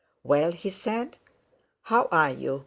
"Well," he said, "how are you?